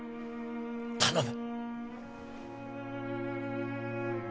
頼む！